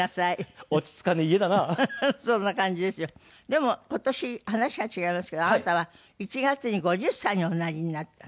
でも今年話は違いますけどあなたは１月に５０歳におなりになった。